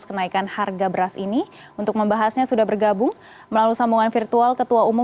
kenaikan harga beras ini untuk membahasnya sudah bergabung melalui sambungan virtual ketua umum